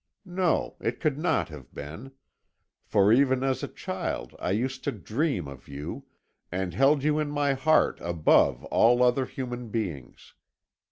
No, it could not have been, for even as a child I used to dream of you, and held you in my heart above all other human beings.